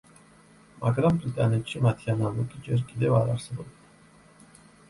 მაგრამ ბრიტანეთში მათი ანალოგი ჯერ კიდევ არ არსებობდა.